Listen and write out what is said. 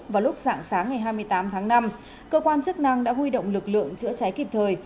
sáng ngày hai mươi tám tháng năm cơ quan chức năng đã huy động lực lượng chữa cháy kịp thời